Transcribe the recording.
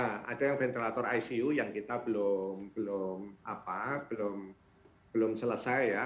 ya ada yang ventilator icu yang kita belum selesai ya